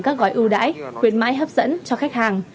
các gói ưu đãi khuyến mãi hấp dẫn cho khách hàng